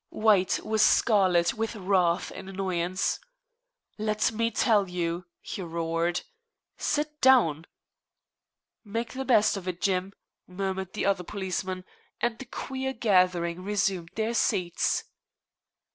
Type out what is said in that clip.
White was scarlet with wrath and annoyance. "Let me tell you " he roared. "Sit down!" "Make the best of it, Jim," murmured the other policeman; and the queer gathering resumed their seats.